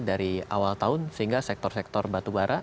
dari awal tahun sehingga sektor sektor batubara